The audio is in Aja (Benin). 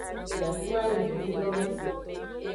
Miatroayi hunun yawodagbe.